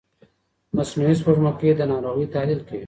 مصنوعي سپوږمکۍ د ناروغۍ تحلیل کوي.